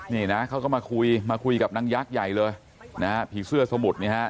นี่นะเขาก็มาคุยมาคุยกับนางยักษ์ใหญ่เลยนะฮะผีเสื้อสมุทรเนี่ยฮะ